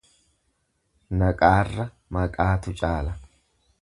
Naqaarra maqaatu caala.